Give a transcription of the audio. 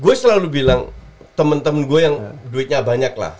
gue selalu bilang temen temen gue yang duitnya banyak lah